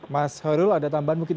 mas hoirul ada tambahan mungkin